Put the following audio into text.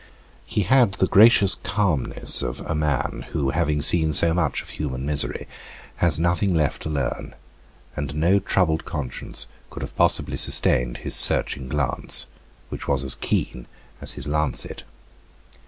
He had the gracious calmness of a man who, having seen so much of human misery, has nothing left to learn, and no troubled conscience could have possibly sustained his searching glance, which was as keen as his lancet.